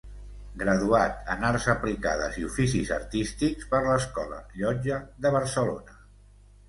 Graduat en Arts Aplicades i Oficis Artístics per l'Escola Llotja de Barcelona.